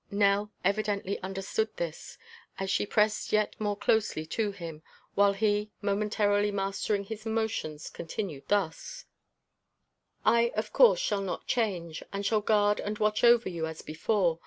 Nell evidently understood this, as she pressed yet more closely to him, while he, momentarily mastering his emotions, continued thus: "I, of course, shall not change, and shall guard and watch over you as before.